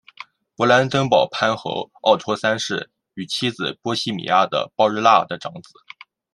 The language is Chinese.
勃兰登堡藩侯奥托三世与妻子波希米亚的鲍日娜的长子。